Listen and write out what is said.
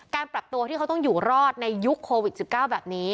ปรับตัวที่เขาต้องอยู่รอดในยุคโควิด๑๙แบบนี้